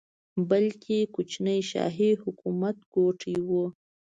بلکې کوچني شاهي حکومت ګوټي وو.